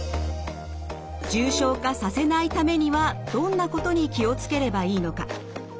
重症化させないためにはどんなことに気を付ければいいのか？